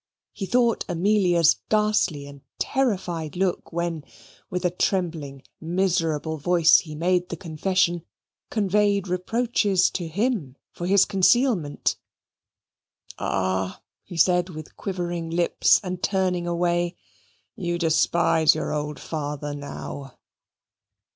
He thought Amelia's ghastly and terrified look, when, with a trembling, miserable voice he made the confession, conveyed reproaches to him for his concealment. "Ah!" said he with quivering lips and turning away, "you despise your old father now!"